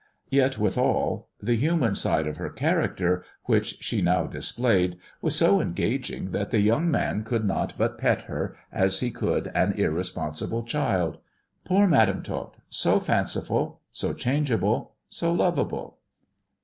Yet withal the human side of her character, which she now displayed, was so engaging that the young man could not but pet her, as he would an irresponsible child. Poor Madam Tot, so fanciful, so changeable, so lovable.